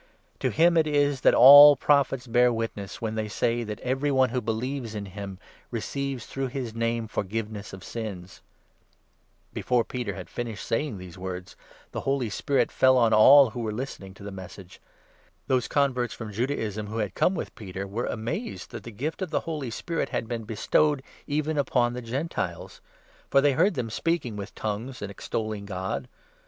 To him 43 it is that all the Prophets bear witness, when they say that every one who believes in him receives through his Name forgiveness of sins." First Before Peter had finished' saying these words, 44 conversion the Holy Spirit fell on all who were listening to of Gentile*. ^jie Message. Those converts from Judaism, 45 who had come with Peter, were amazed that the gift of the Holy Spirit had been bestowed even upon the Gentiles ; for 46 they heard them speaking with ' tongues ' and extolling God.